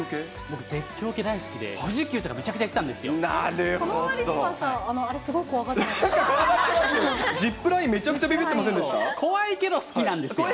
僕絶叫系大好きで、富士急とかめちゃくちゃ行ってたんですよ。